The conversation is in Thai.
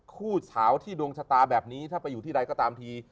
สาวที่ดวงชะตาแบบนี้ถ้าไปอยู่ที่ใดก็ตามที